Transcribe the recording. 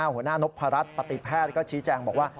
หัวหน้านพรัชปฏิแพทย์ก็ชี้แจงบอกว่า